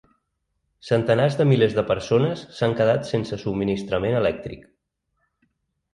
Centenars de milers de persones s’han quedat sense subministrament elèctric.